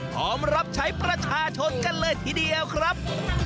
พร้อมรับใช้ประชาชนกันเลยทีเดียวครับ